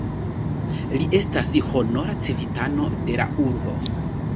Li estas honora civitano de la urbo.